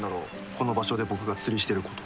この場所で僕が釣りしてること。